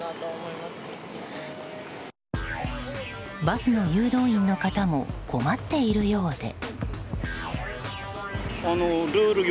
バスの誘導員の方も困っているようで。